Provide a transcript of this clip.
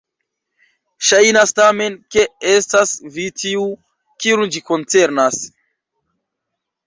Ŝajnas tamen, ke estas vi tiu, kiun ĝi koncernas.